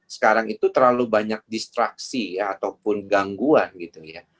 sekarang itu terlalu banyak distraksi ya ataupun gangguan gitu ya